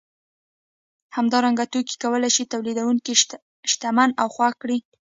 همدارنګه توکي کولای شي تولیدونکی شتمن او خوښ کړي